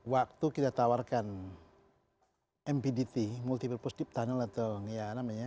waktu kita tawarkan mpdt multiple post deep tunnel atau ya namanya